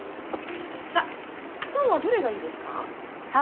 さあストーンはどれがいいですか？